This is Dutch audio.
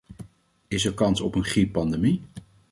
Is er kans op een grieppandemie?